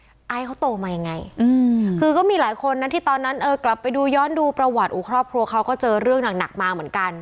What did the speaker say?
ไอซ์เขาโตมายังไงคือก็มีหลายคนนะที่ตอนนั้นเออกลับไปดูย้อนดูประวัติครอบครัวเขาก็เจอเรื่องหนักมาเหมือนกัน